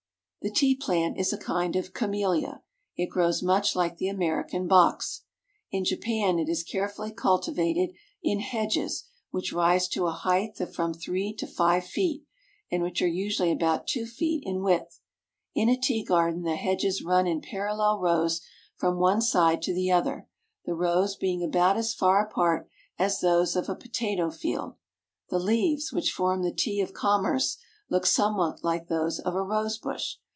The tea plant is a kind of camellia. It grows much like the American box. In Japan it is carefully cultivated in hedges which rise to a height of from three to five feet, and which are usually about two feet in width. In a tea garden the hedges run in parallel rows from one side to the other, the rows being about as far apart as those of a po tato field. The leaves, which form the tea of commerce, look somewhat like those of a rose bush.